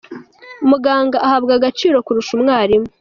muganga ahabwa agaciro kurusha umwarimu.